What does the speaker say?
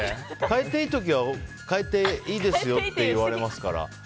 変えていい時は変えていいですよって言われますから。